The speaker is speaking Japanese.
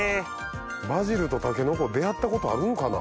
バジルとタケノコ出合ったことあるんかな？